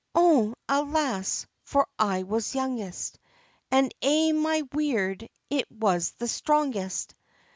"Ohon! alas, for I was youngest, And aye my weird it was the strongest!